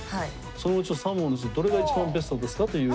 そのうちの３本のうちのどれが一番ベストですかという。